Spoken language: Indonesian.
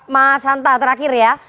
mas anta terakhir ya